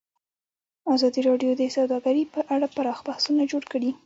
ازادي راډیو د سوداګري په اړه پراخ بحثونه جوړ کړي.